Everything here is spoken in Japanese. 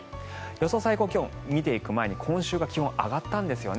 予想最高気温、見ていく前に今週、気温上がったんですよね。